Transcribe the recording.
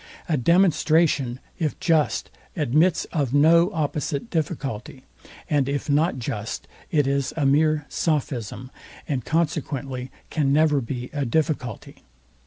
A demonstration, if just, admits of no opposite difficulty; and if not just, it is a mere sophism, and consequently can never be a difficulty.